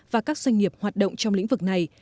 và các doanh nghiệp hoạt động trong lĩnh vực này